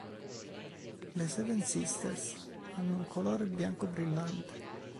Le Seven Sisters hanno un colore bianco brillante.